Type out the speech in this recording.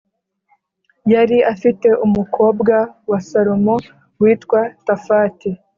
Yari afite umukobwa wa salomo witwa tafati